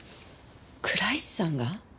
倉石さんが？